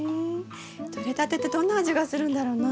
とれたてってどんな味がするんだろうな。